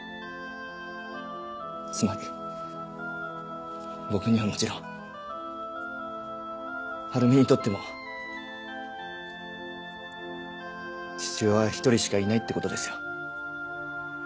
つまり僕にはもちろん晴美にとっても父親は一人しかいないって事ですよ。